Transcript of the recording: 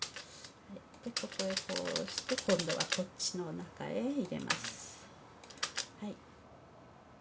でここへこうして今度はこっちの中へ入れます。